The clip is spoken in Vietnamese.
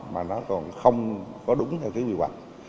mà nó còn không có đúng theo cái quy hoạch